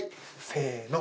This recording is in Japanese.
せの。